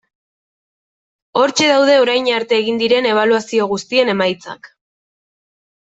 Hortxe daude orain arte egin diren ebaluazio guztien emaitzak.